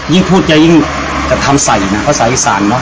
ยิ่งพูดเเยยิ่งจะทำใส่น่ะเพราะสายศาลเนาะ